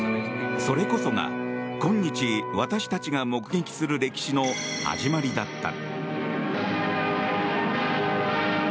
それこそが今日私たちが目撃する歴史の始まりだった。